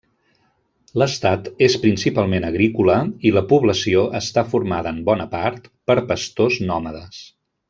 L'estat és principalment agrícola i la població està formada en bona part per pastors nòmades.